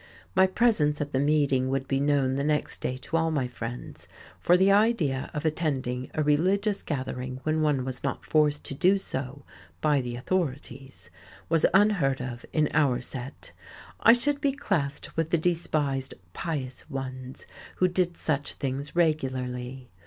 My presence at the meeting would be known the next day to all my friends, for the idea of attending a religious gathering when one was not forced to do so by the authorities was unheard of in our set. I should be classed with the despised "pious ones" who did such things regularly.